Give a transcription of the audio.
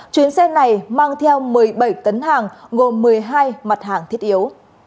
chuyến xe này mang theo một mươi bảy tấn hàng gồm một mươi hai mặt hàng thiết yếu